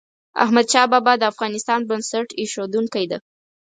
احمد شاه بابا د افغانستان بنسټ ایښودونکی ده.